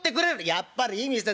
やっぱりいい店だ